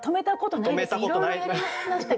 いろいろやりましたけど。